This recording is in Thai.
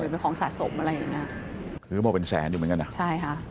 หรือเป็นของสะสมอะไรอย่างเนี่ยคือพอเป็นแสนดูเหมือนกันนะใช่ค่ะ